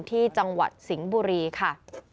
ที่จังหวัดสิงห์บุรีค่ะ